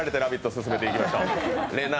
進めていきましょう。